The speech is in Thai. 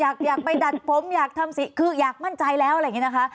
อยากไปดัดผมอยากทำสีคืออยากมั่นใจแล้วอะไรอย่างนี้นะคะ